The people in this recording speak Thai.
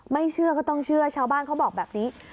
เชื่อก็ต้องเชื่อชาวบ้านเขาบอกแบบนี้